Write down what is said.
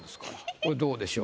これどうでしょう？